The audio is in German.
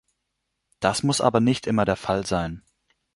Das muss aber nicht immer der Fall sein.